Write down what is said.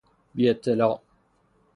بی اطلاع